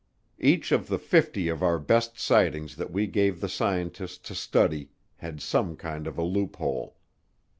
Each of the fifty of our best sightings that we gave the scientists to study had some kind of a loophole.